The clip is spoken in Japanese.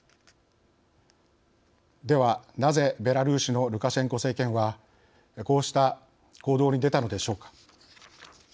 ではなぜベラルーシのルカシェンコ政権はこうした行動に出たのでしょうか。